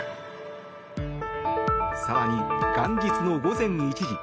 更に元日の午前１時。